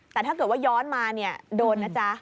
แต่ถ้าเกิดว่าย้อนมาเนี่ยโดนนะจ๊ะ